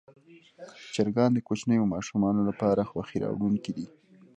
چرګان د کوچنیو ماشومانو لپاره خوښي راوړونکي دي.